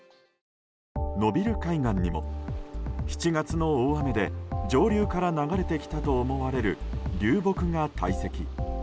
野蒜海岸にも、７月の大雨で上流から流れてきたと思われる流木が堆積。